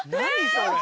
それ。